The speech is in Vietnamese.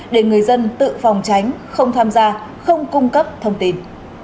để người dân tự phòng tránh không tham gia không cung cấp thông tin